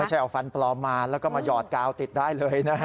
ใช้เอาฟันปลอมมาแล้วก็มาหยอดกาวติดได้เลยนะฮะ